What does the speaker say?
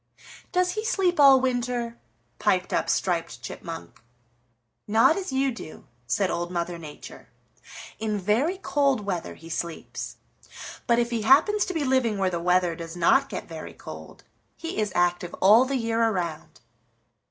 "Does he sleep all winter?" piped up Striped Chipmunk. "Not as you do," said Old Mother Nature. "In very cold weather he sleeps, but if he happens to be living where the weather does not get very cold, he is active all the year around.